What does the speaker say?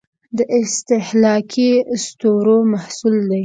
دا د استهلاکي اسطورو محصول دی.